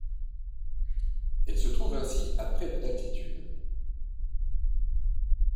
Elle se trouve ainsi à près de d’altitude.